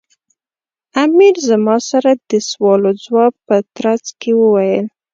امیر زما سره د سوال و ځواب په ترڅ کې وویل.